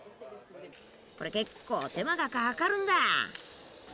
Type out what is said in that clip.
これ結構手間がかかるんだ。